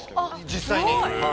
◆実際に？